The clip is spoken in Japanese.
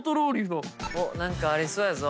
何かありそうやぞ。